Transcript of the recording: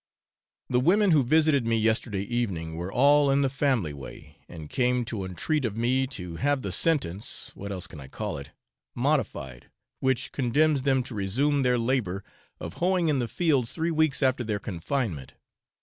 The women who visited me yesterday evening were all in the family way, and came to entreat of me to have the sentence (what else can I call it?) modified, which condemns them to resume their labour of hoeing in the fields three weeks after their confinement.